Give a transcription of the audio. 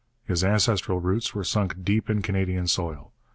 His ancestral roots were sunk deep in Canadian soil.